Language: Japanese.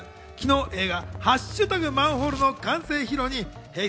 昨日、映画『＃マンホール』の完成披露にＨｅｙ！